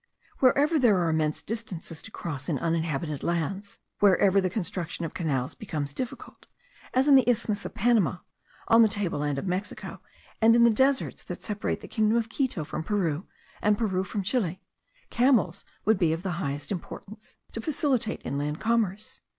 Wherever there are immense distances to cross in uninhabited lands; wherever the construction of canals becomes difficult (as in the isthmus of Panama, on the table land of Mexico, and in the deserts that separate the kingdom of Quito from Peru, and Peru from Chile), camels would be of the highest importance, to facilitate inland commerce.